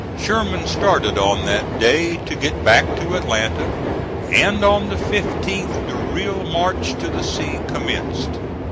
Sherman started on that day to get back to Atlanta, and on the 15th the real march to the sea commenced.